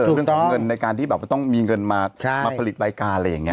ถูกต้องในการที่แบบต้องมีเงินมาผลิตรายการอะไรอย่างนี้